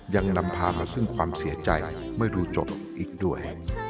ยังนำพามาซึ่งความเสียใจไม่รู้จบอีกด้วย